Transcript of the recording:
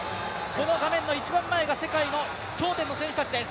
この画面の一番前が世界の頂点の選手たちです。